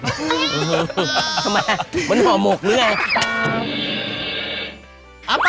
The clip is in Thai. ทำไมมันห่อหมกหรือไง